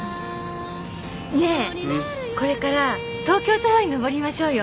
ねえこれから東京タワーに上りましょうよ。